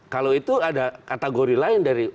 kalau itu ada kategori lain dari